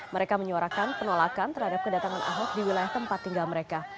mereka menyuarakan penolakan terhadap kedatangan ahok di wilayah tempat tinggal mereka